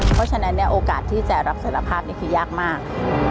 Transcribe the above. เพราะฉะนั้นโอกาสที่จะรับสารภาพนี่คือยากมาก